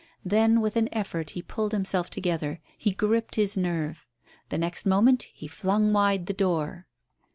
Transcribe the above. Then with an effort he pulled himself together; he gripped his nerve. The next moment he flung wide the door.